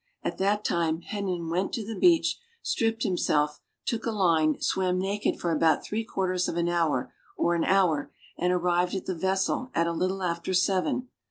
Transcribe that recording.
At that time Henin went to the beach, stripped himself, took a line, swam naked for about three quarters of an hour or an hour, and arrived at the vessel at a little after seven.